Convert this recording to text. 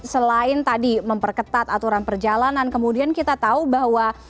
selain tadi memperketat aturan perjalanan kemudian kita tahu bahwa